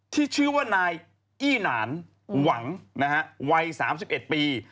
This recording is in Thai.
ที่ชื่อว่านายอี้หนานหวังวัย๓๑ปี